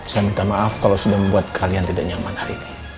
saya minta maaf kalau sudah membuat kalian tidak nyaman hari ini